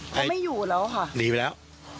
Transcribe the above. เขาไม่อยู่แล้วค่ะหนีไปแล้ว